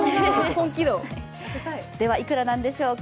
では、いくらなんでしょうか。